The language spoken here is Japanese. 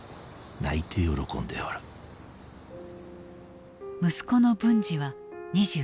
息子の文次は２３歳。